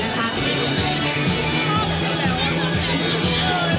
เอาเลยมั้ยขึ้นแล้ว